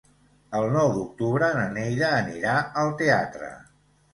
El nou d'octubre na Neida anirà al teatre.